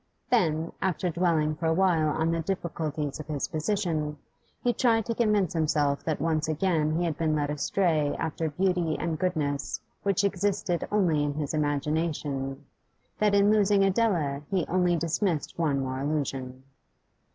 Then, after dwelling for awhile on the difficulties of his position, he tried to convince himself that once again he had been led astray after beauty and goodness which existed only in his imagination, that in losing Adela he only dismissed one more illusion.